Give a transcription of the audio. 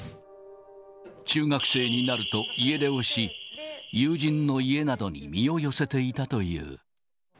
中学生になると家出をし、友人の家などに身を寄せていたという。